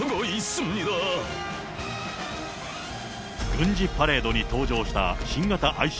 軍事パレードに登場した新型ＩＣＢＭ